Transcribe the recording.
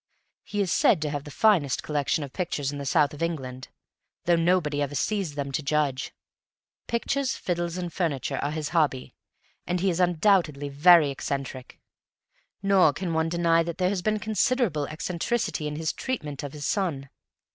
He is said to have the finest collection of pictures in the south of England, though nobody ever sees them to judge; pictures, fiddles and furniture are his hobby, and he is undoubtedly very eccentric. Nor can one deny that there has been considerable eccentricity in his treatment of his son.